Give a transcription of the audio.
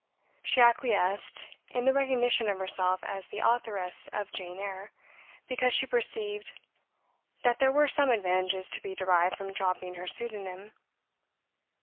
She acquiesced in the recognition of herself as the authoress of "Jane Eyre," because she perceived that there were some advantages to be derived from dropping her pseudonym.